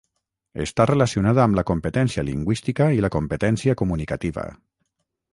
Està relacionada amb la competència lingüística i la competència comunicativa.